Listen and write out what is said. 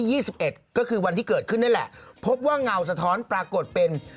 อืมอืมอืมอืมอืมอืม